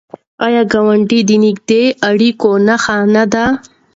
آیا ګاونډی د نږدې اړیکو نښه نه ده؟